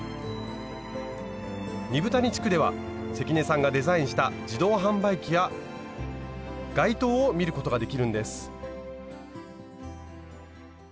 二風谷地区では関根さんがデザインした自動販売機や街灯を見ることができるんです。